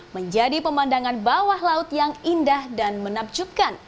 menjadi pemandangan bawah laut yang indah dan menakjubkan